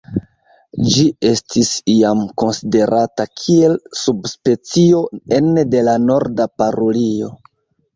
Ĝi estis iam konsiderata kiel subspecio ene de la Norda parulio.